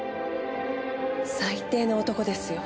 最低の男ですよ。